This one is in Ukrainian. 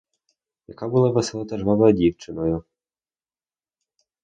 Яка була весела та жвава дівчиною!